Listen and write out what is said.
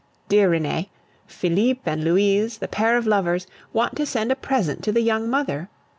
Dear Renee, Felipe and Louise, the pair of lovers, want to send a present to the young mother.